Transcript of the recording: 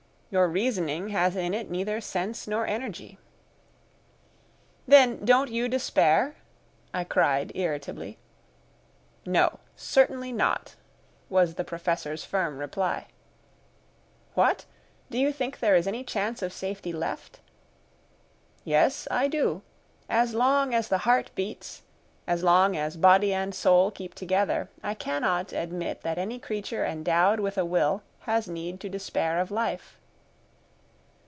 Your reasoning has in it neither sense nor energy." "Then don't you despair?" I cried irritably. "No, certainly not," was the Professor's firm reply. "What! do you think there is any chance of safety left?" "Yes, I do; as long as the heart beats, as long as body and soul keep together, I cannot admit that any creature endowed with a will has need to despair of life."